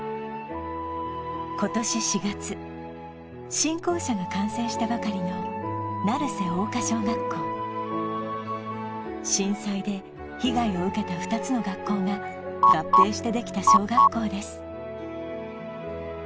今年４月新校舎が完成したばかりの鳴瀬桜華小学校震災で被害を受けた２つの学校が合併してできた小学校です